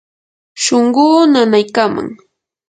shunquu nanaykaman.